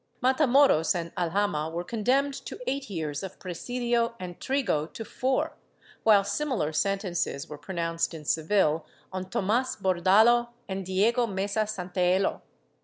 Mata moros and Alhama were condemned to eight years of presidio and Trigo to four, while similar sentences were pronounced in Seville on Tomas Bordallo and Diego Mesa Santaello.